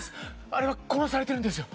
あれは殺されてるんですよ。